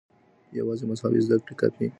يوازې مذهبي زده کړې کافي نه دي.